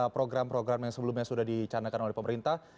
program program yang sebelumnya sudah dicanakan oleh pemerintah